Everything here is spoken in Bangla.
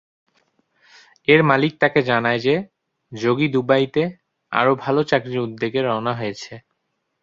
এর মালিক তাকে জানায় যে যোগী দুবাইতে আরও ভাল চাকরির উদ্দেশ্যে রওয়ানা হয়েছে।